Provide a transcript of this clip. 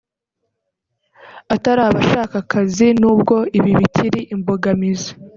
atari abashaka akazi n’ubwo ibi bikiri imbogamizi